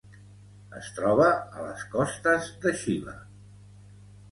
Es troba a les costes de Xile.